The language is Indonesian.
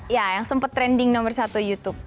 ya yang sempat trending nomor satu youtube